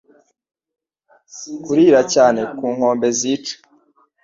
kurira cyane ku nkombe zica